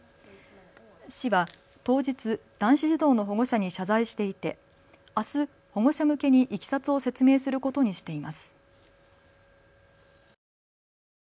市は当日、男子児童の保護者に謝罪していてあす保護者向けにいきさつを説明することにしています。